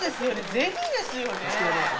ぜひですよね。